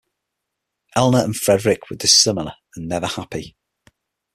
Eleanor and Frederick were dissimilar and never happy.